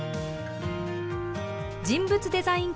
人物デザイン